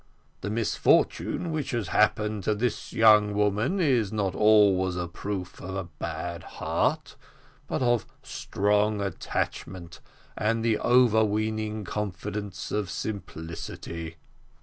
The misfortune which has happened to this young woman is not always a proof of a bad heart, but of strong attachment, and the overweening confidence of simplicity."